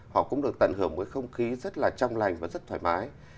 họ cũng được tận hưởng với không khí rất là trong lành và rất thoải mái